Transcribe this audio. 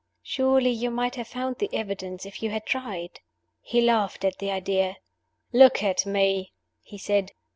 "Surely you might have found the evidence if you had tried?" He laughed at the idea. "Look at me!" he said.